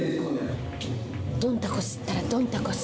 ドンタコスったらドンタコス。